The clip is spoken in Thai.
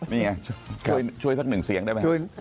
นี่ไงช่วยสักหนึ่งเสียงได้ไหม